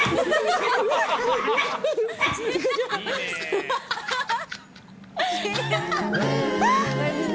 フハハハ！